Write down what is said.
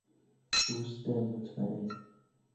دوست مطمئن